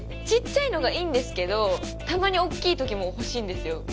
ちっちゃいのがいいんですけどたまにおっきいときも欲しいんですよ